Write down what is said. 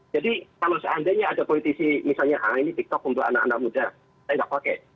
jadi kalau seandainya ada politisi misalnya ah ini tiktok untuk anak anak muda saya nggak pakai